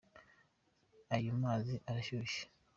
Ayo mazi arashushye.